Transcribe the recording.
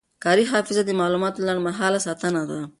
کاري حافظه د معلوماتو لنډمهاله ساتنه ده.